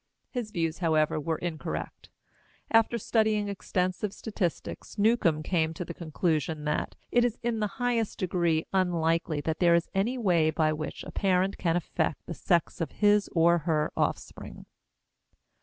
His views, however, were incorrect. After studying extensive statistics Newcomb came to the conclusion that "it is in the highest degree unlikely that there is any way by which a parent can affect the sex of his or her offspring."